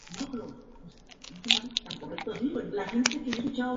Laprida y viceversa.